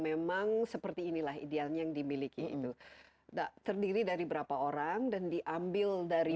memang seperti inilah idealnya yang dimiliki itu terdiri dari berapa orang dan diambil dari